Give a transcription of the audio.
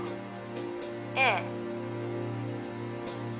「ええ」